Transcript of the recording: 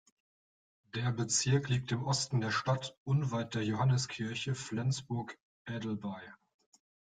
Der Bezirk liegt im Osten der Stadt unweit der Johanniskirche Flensburg-Adelby.